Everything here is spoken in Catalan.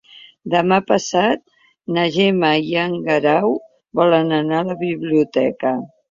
Demà passat na Gemma i en Guerau volen anar a la biblioteca.